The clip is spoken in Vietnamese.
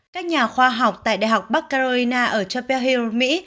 các nhà khoa học tại đại học bắc carolina ở chapel hill mỹ